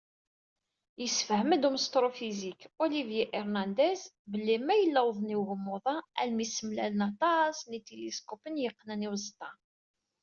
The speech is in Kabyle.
Yessefham-d umsṭrufizik Olivier Hernandez, belli mayella wwḍen i ugmuḍ-a armi semlalen aṭas n yiṭiliskupen i yeqqnen i uẓeṭṭa.